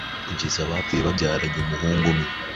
kugeza apfuyebabyaranye umuhungu umwe